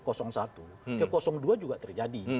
ke dua juga terjadi